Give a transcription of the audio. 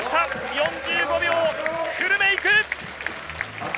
４５秒、フルメイク！